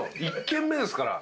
１軒目ですから。